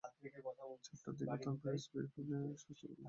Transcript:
চারটার দিকে তাঁরা প্রেস ব্রিফিং করার চেষ্টা করলে ধাওয়া দেয় পুলিশ।